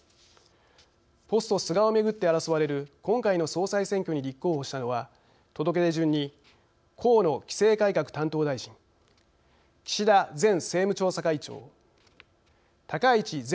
「ポスト菅」をめぐって争われる今回の総裁選挙に立候補したのは届け出順に河野規制改革担当大臣岸田前政務調査会長高市前